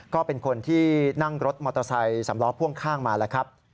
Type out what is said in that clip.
ก็เป็นคนที่นั่งรถมอเตอร์ไซต์๓ล้อพ่วงข้างมา